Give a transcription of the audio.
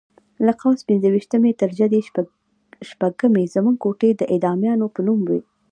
له قوس پنځه ویشتمې تر جدي شپږمې زموږ کوټې د اعدامیانو په نوم وې.